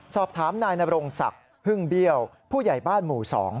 สอบถามนายนรงศักดิ์พึ่งเบี้ยวผู้ใหญ่บ้านหมู่๒